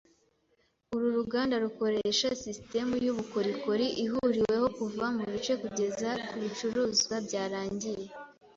Uru ruganda rukoresha sisitemu yubukorikori ihuriweho kuva mubice kugeza ku bicuruzwa byarangiye.